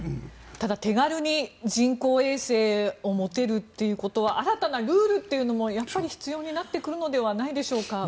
ただ、手軽に人工衛星を持てるということは新たなルールというのもやっぱり必要になってくるのではないでしょうか。